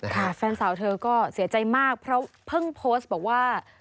แฟนสาวเธอก็เสียใจมากเพราะเพิ่งโพสต์บอกว่า